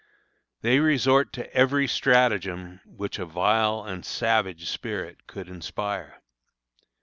They resort to every stratagem which a vile and savage spirit could inspire.